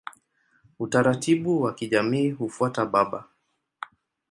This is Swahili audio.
Utaratibu wa kijamii hufuata baba.